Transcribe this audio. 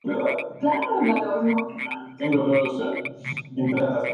Todos los pitufos se reúnen para ver el lanzamiento, entre ellos Gran Pitufo.